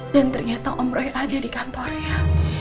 dan ternyata om roy ada di kantornya